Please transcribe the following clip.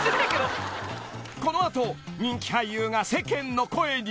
［この後人気俳優が世間の声に］